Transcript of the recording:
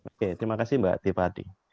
oke terima kasih mbak tiffa adi